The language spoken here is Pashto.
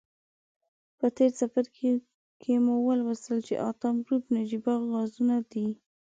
په تیر څپرکي کې مو ولوستل چې اتم ګروپ نجیبه غازونه دي.